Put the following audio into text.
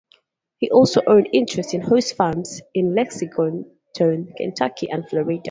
He also owned interests in horse farms in Lexington, Kentucky and Florida.